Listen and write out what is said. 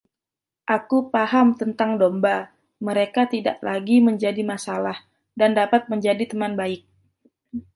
Aku paham tentang domba; mereka tidak lagi menjadi masalah, dan dapat menjadi teman baik.